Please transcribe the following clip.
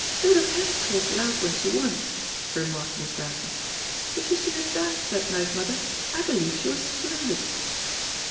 "Dodo can talk loud when she wants," remarked Miss Grantham. "Did you see her dance that night, mother? I believe she was splendid."